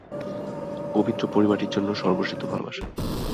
পবিত্র পরিবারটির জন্য সর্ববিধ ভালবাসা।